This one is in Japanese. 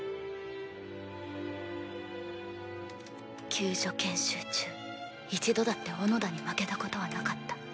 救助研修中一度だって斧田に負けたことはなかった。